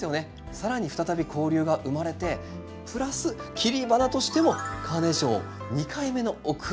更に再び交流が生まれてプラス切り花としてもカーネーションを２回目の贈り物。